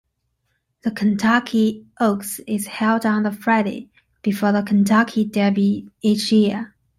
The Kentucky Oaks is held on the Friday before the Kentucky Derby each year.